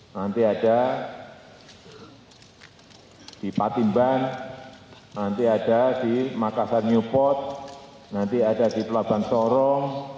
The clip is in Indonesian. nanti ada di patimban nanti ada di makassar newport nanti ada di pelabuhan sorong